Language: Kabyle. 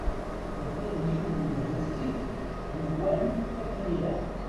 Bɣiɣ yiwen ubiftik yewwan akken ilaq.